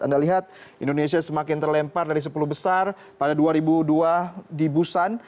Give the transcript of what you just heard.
anda lihat indonesia semakin terlempar dari sepuluh besar pada dua ribu dua di busan